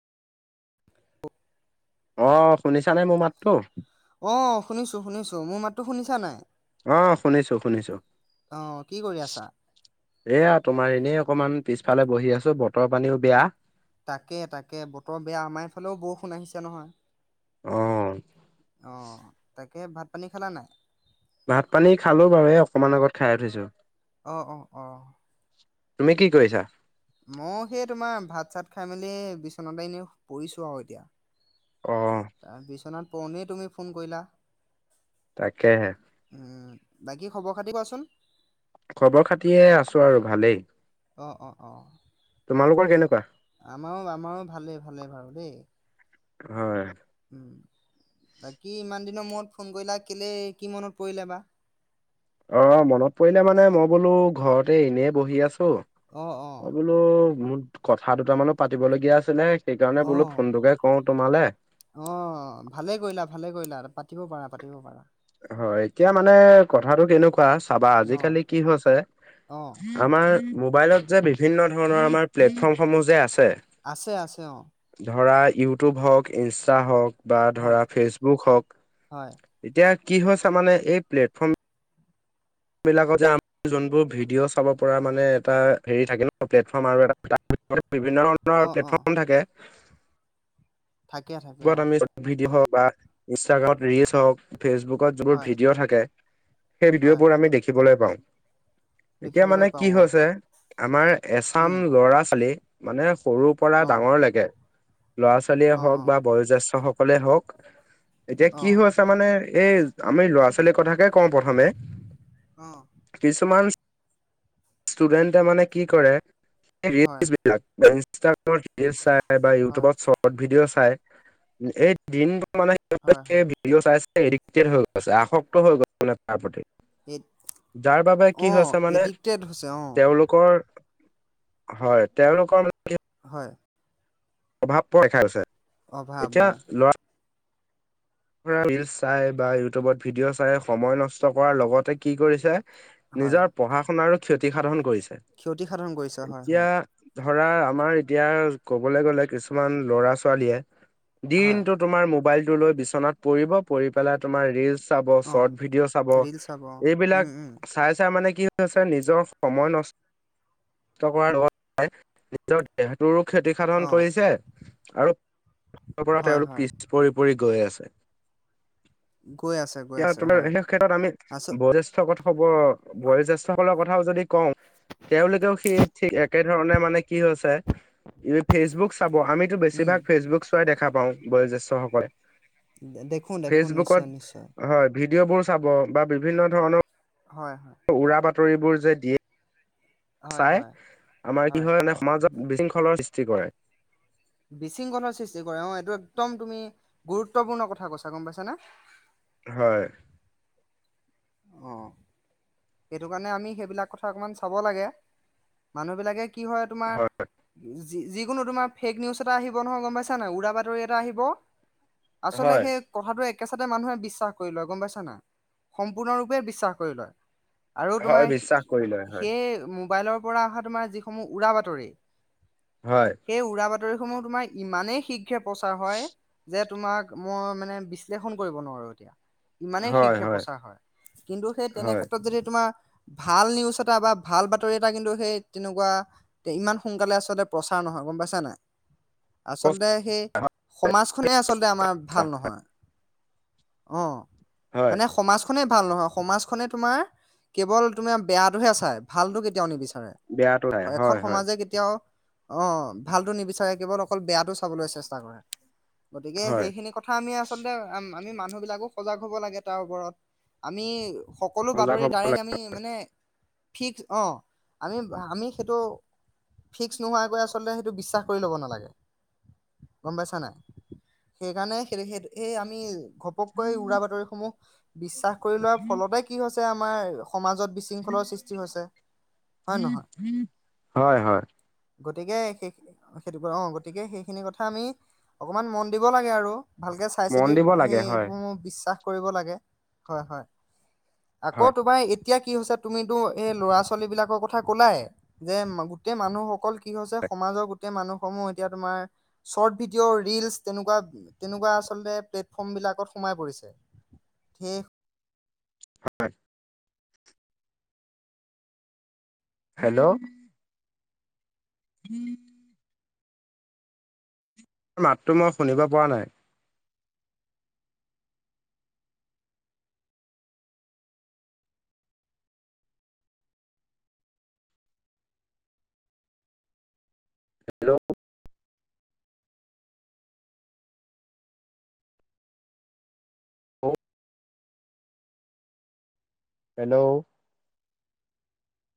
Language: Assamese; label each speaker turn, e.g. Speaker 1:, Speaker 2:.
Speaker 1: অ শুনিছানে মোৰ মাতটো
Speaker 2: অঁ শুনিছোঁ শুনিছোঁ মোৰ মাতটো শুনিছা নাই
Speaker 1: অ শুনিছো শুনিছো
Speaker 2: অঁ কি কৰি আছা
Speaker 1: এয়া তোমাৰ এনেই অকমান পিছফালে বহি আছো বতৰ পানীও বেয়া
Speaker 2: তাকে তাকে বতৰ বেয়া আমাৰ এইফালেও বউষুণ আহিছে নহয়
Speaker 1: অ',
Speaker 2: অ তাকে ভাত পানী খালা নাই
Speaker 1: ভাত পানী খালো বাৰু এই অকণমান আগত খাই উঠিছোঁ
Speaker 2: অঁ অ অ
Speaker 1: তুমি কি কৰিছা
Speaker 2: মই সেই তোমাৰ ভাত চাত খাই মেলি বিচনাতে এনেই শুইছো আৰু এতিয়া,
Speaker 1: অ',
Speaker 2: আ বিছনাত পৰোতে তুমি ফোন কৰিলা।
Speaker 1: তাকেহে,
Speaker 2: উম' বাকী খবৰ -খাতি কুৱাচোন?
Speaker 1: খবৰ -খাতি এ আছোঁ আৰু ভালেই।
Speaker 2: অ', অ' অ'
Speaker 1: তোমালোকৰ কেনেকুৱা?
Speaker 2: আমাৰো আমাৰো ভালে ভালে ভাল দেই।
Speaker 1: হয়',
Speaker 2: উম', বাকী ইমান দিনৰ মূৰত ফোন কৰিলা কেলেই কি, মনত পৰিলে বা।
Speaker 1: অ', মনত পৰিলে মানে মই বোলো ঘৰতে এনেই বহি আছোঁ।
Speaker 2: অ', অ'।
Speaker 1: ত মোৰ, কথা দুটামানো পাতিব লগীয়া আছিলে, সেইকাৰণে বোলো
Speaker 2: অ
Speaker 1: ফোনটোকে কৰোঁ তোমালে।
Speaker 2: অ', ভালে কৰিলা ভালে কৰিলা পাতিব পাৰা, পাতিব পাৰা।
Speaker 1: হয়। এতিয়া মানে কথাটো কেনেকুৱা চাবা
Speaker 2: অ',
Speaker 1: আজিকালি কি হৈছে।
Speaker 2: অ',
Speaker 1: আমাৰ মোবাইলত যে, বিভিন্ন ধৰণৰ আমাৰ প্লেটফৰ্ম সমূহ যে আছে।
Speaker 2: আছে, আছে, অ'।
Speaker 1: ধৰা ইউটিউব হওঁক ইনষ্টা হওঁক বা ধৰা
Speaker 2: হয়,
Speaker 1: ফেচবুক হওঁক,
Speaker 2: হয়,
Speaker 1: এতিয়া কি হৈছে মানে এই প্লেটফৰ্ম, বিলাকত যে, আমাৰ যোনবোৰ ভিডিঅ' চাব পৰা মানে এটা হেৰি থাকে ন? প্লেটফৰ্ম আৰু এটা তাত বিভিন্ন ধৰণৰ
Speaker 2: অ', অ',
Speaker 1: প্লেটফৰ্ম থাকে
Speaker 2: থাকে,
Speaker 1: সেই
Speaker 2: থাকে,
Speaker 1: বোৰত
Speaker 2: অ',
Speaker 1: আমি ভিডিঅ' হওঁক বা, ইনষ্টাগ্ৰামত ৰিলচ হওঁক, ফেচবুকত যিবোৰ
Speaker 2: হয়,
Speaker 1: ভিডিঅ' থাকে। সেই ভিডিঅ'
Speaker 2: হয়,
Speaker 1: বোৰ আমি দেখিবলৈ পাওঁ, এতিয়া
Speaker 2: দেখিবলৈ
Speaker 1: মানে
Speaker 2: পাওঁ,
Speaker 1: কি
Speaker 2: অ',
Speaker 1: হৈছে, আমাৰ এচাম
Speaker 2: উম,
Speaker 1: ল'ৰা -ছোৱালীক, মানে সৰু পৰা
Speaker 2: অ',
Speaker 1: ডাঙৰ লৈকে, ল'ৰা- ছোৱালীয়ে
Speaker 2: অ',
Speaker 1: হওঁক
Speaker 2: অ',
Speaker 1: বা বয়োজ্যষ্ঠ সকলে হওঁক, এতিয়া, কি
Speaker 2: অ',
Speaker 1: হৈছে মানে এই আমি ল'ৰা -ছোৱালীৰ কথাকে কওঁ প্ৰথমে,
Speaker 2: অ'
Speaker 1: কিছুমান, ষ্টুডেন্টে মানে কি কৰে,
Speaker 2: হয়,
Speaker 1: ৰিলচ ভিডিঅ'ত ইনষ্টাগ্ৰামত ৰিলচ চাই বা
Speaker 2: হয়,
Speaker 1: ইউটিউবত চৰ্ট চৰ্ট ভিডিঅ' চাই। এই দিনটো মানে এই
Speaker 2: হয়,
Speaker 1: বিলাকে
Speaker 2: হয়,
Speaker 1: ভিডিঅ' চাই, চাই এডিক্টেড হৈ গৈছে আসক্ত হৈ গৈছে মানে। আপত্তি,
Speaker 2: এই
Speaker 1: যাৰ বাবে কি
Speaker 2: অ',
Speaker 1: হৈছে মানে,
Speaker 2: এডিক্টেড হৈছে, অ',
Speaker 1: তেওঁলোক কৰ, হয়' তেওঁলোকৰ,
Speaker 2: হয়',
Speaker 1: প্ৰভাৱ পোৱা, দেখা গৈছে।
Speaker 2: অভাৱ
Speaker 1: এতিয়া
Speaker 2: অঁ।
Speaker 1: ল'ৰা ৰিলচ চাই বা ইউটিউবত ভিডিঅ' চাই সময় নষ্ট কৰাৰ লগতে কি কৰিছে,
Speaker 2: হয়,
Speaker 1: নিজৰ পঢ়া -শুনাৰো ক্ষতি সাধন কৰিছে।
Speaker 2: ক্ষতি সাধন কৰিছে হয়,
Speaker 1: এতিয়া
Speaker 2: হয়।
Speaker 1: ধৰা আমাৰ এতিয়া ক'বলৈ গ'লে কিছুমান ল'ৰা- ছোৱালীয়ে
Speaker 2: হয়,
Speaker 1: দিনটোত। তোমাৰ মোবাইলটো লৈ বিচনাত পৰিব। পৰি পেলাই তোমাৰ ৰিলচ, চাব,
Speaker 2: অ',
Speaker 1: চৰ্ট ভিডিঅ' চাব,
Speaker 2: ৰিল চাব, অ
Speaker 1: এইবিলাক
Speaker 2: উম, উম,
Speaker 1: চাই চাই মানে কি হৈছে নিজৰ, সময়, নষ্ট কৰাৰ লগত নিজৰ সিহঁতৰো ক্ষতি সাধন
Speaker 2: অ',
Speaker 1: কৰিছে, আৰু, পৰা
Speaker 2: হয়,
Speaker 1: তেওঁলোক
Speaker 2: হয়,
Speaker 1: পিচ, পৰি পৰি গৈ আছে।
Speaker 2: গৈ আছে। গৈ
Speaker 1: এতিয়া
Speaker 2: আছে,
Speaker 1: তোমাৰ
Speaker 2: হয়,
Speaker 1: সেই ক্ষেত্ৰত আমি,
Speaker 2: আচ
Speaker 1: বয়োজেষ্ঠ ক'ত হ'ব আৰু বয়োজ্যেষ্ঠসকলৰ ক কথাও যদি কওঁ, তেওঁলোকেও সেই ঠিক একে ধৰণে মানে কি হৈছে এই ফেচবুক চাব আমিতো
Speaker 2: উম,
Speaker 1: বেছিভাগ ফেচবুক চোৱাই দেখা পাওঁ বয়োজ্যেষ্ঠ সকলে।
Speaker 2: দে দে
Speaker 1: ফেচবুকত, হয়, ভিডিঅ' বোৰ চাব বা বিভিন্ন ধৰণৰ
Speaker 2: হয়।
Speaker 1: উৰা বাতৰিবোৰ যে দিয়ে।
Speaker 2: হয়
Speaker 1: চাই,
Speaker 2: হয়
Speaker 1: আমাৰ কি হয়, মানে, সমাজত বিশৃংখলৰ সৃষ্টি কৰে।
Speaker 2: বিশৃংখলৰ সৃষ্টি কৰে, অ', এইটো একদম তুমি গুৰুত্বপূৰ্ণ কথা কৈছা গম পাইছানে?
Speaker 1: হয়।
Speaker 2: অ' সেইটো কাৰণে আমি সেইবিলাক কথা অকমান চাব লাগে। মানুহ বিলাকে কি হয় তোমাৰ যি যি, যিকোনো তোমাৰ ফেক নিউজ এটা আহিব নহয়, গম পাইছা নাইয় উৰা বাতৰি এটা আহিব। আচলতে
Speaker 1: হয়
Speaker 2: সেই, কথাটো একেচাতে মানুহে বিশ্বাস কৰি লয়, গম পাইছা নাই, সম্পূৰ্ণৰূপে বিশ্বাস কৰি লয়। আৰু
Speaker 1: হয়
Speaker 2: তোমাৰ সে
Speaker 1: বিশ্বাস কৰি লয় হয়
Speaker 2: সেই মোবাইলৰ পৰা অহা তোমাৰ যিসমূহ উৰা বাতৰি।
Speaker 1: হয়।
Speaker 2: সেই উৰা বাতৰিসমূহ তোমাৰ ইমানেই শীঘ্ৰে প্ৰচাৰ হয় যে, তোমাক মই মানে বিশ্লেষণ কৰিব নোৱাৰো এতিয়া। ইমানেই শীঘ্ৰে প্ৰচাৰ হয়, কিন্তু সেই তেনে
Speaker 1: হয়
Speaker 2: ক্ষেত্ৰত যদি, তোমাৰ ভাল নিউজ এটা বা ভাল বাতৰি এটা কিন্তু সেই তেনেকুৱা, তে ইমান সোনকালে আচলতে প্ৰচাৰ নহয় গম পাইছা নাই, আচলতে সেই সমাজখনেই আচলতে আমাৰ ভাল নহয়, অ'
Speaker 1: হয়
Speaker 2: মানে সমাজখনেই ভাল নহয়, সমাজখনে তোমাৰ কেৱল তোমিয়া বেয়াটোহে চাই ভালতটো কেতিয়াও নিবিচাৰে,
Speaker 1: বেয়াটো নাই হয়
Speaker 2: এখন
Speaker 1: হয়
Speaker 2: সমাজে কেত তিয়াও অ', ভালতো নিবিচাৰে কেৱল অকল বেয়াতটো চাবলৈ চেষ্টা কৰে। গতিকে,
Speaker 1: হয়
Speaker 2: সেইখিনি কথা আমি আচলতে আম আমি মানুহ বিলাকো সজাগ হ'ব লাগে তাৰ ওপৰত, আমি সকলো
Speaker 1: সজাগ
Speaker 2: বাতৰিত
Speaker 1: হব
Speaker 2: আমি মানে ফিক্স অ', আমি, আমি সেইটো ফিক্স নোহোৱাকৈ আচলতে সেইটো বিশ্বাস কৰি ল'ব নালাগে। গম পাইছা নাই, সেইকাৰণে সেইটো, সেই, সেই, আমি ঘপ ঘপকৈ উৰা বাতৰিসমূহ বিশ্বাস কৰি লোৱাৰ ফলতে কি হৈছে আমাৰ সমাজত বিশ শৃংখলৰ সৃষ্টি হৈছে, হয়-নহয়?
Speaker 1: হয় হয়
Speaker 2: গতিকে, সেই অ', সেইটোকে অ', গতিকে সেইখিনি কথা আমি অকণমান, মন দিব লাগে আৰু। ভালকে চাই
Speaker 1: মন
Speaker 2: চিতি
Speaker 1: দিব লাগে হয়
Speaker 2: সেইবোৰ বিশ্বাস কৰিব লাগে হয়, হয়। আকৌ,
Speaker 1: হয়
Speaker 2: তোমাৰ এতিয়া কি হৈছে, তুমিতো এই ল'ৰা ছোৱালী বিলাকৰ কথা ক'লাই। যে, মা গোটেই মানুহসকল কি হৈছে, সমাজৰ গোটেই মানুহ সমূহ, এতিয়া তোমাৰ চৰ্ট ভিডিঅ', ৰিলচ তেনেকুৱা, তেনেকুৱা আচলতে প্লেটফৰ্ম বিলাকত সোমাই পৰিছে। সেই
Speaker 1: হয়। হেল্ল'। উম। মাতটো মই শুনিব পৰা নাই। হেল্ল'! হেল্ল'!